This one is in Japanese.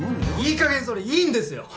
いいかげんそれいいんですよ！